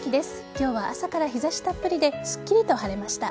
今日は朝から日差したっぷりですっきりと晴れました。